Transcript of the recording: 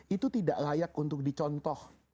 itu tidak layak untuk dicontoh